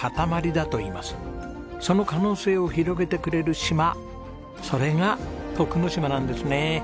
その可能性を広げてくれる島それが徳之島なんですね。